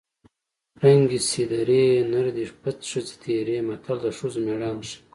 ړنګې شې درې نر دې پڅ ښځې تېرې متل د ښځو مېړانه ښيي